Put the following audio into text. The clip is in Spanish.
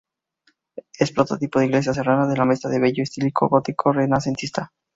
Es prototipo de "iglesia serrana de la Mesta" de bello estilo gótico-renacentista.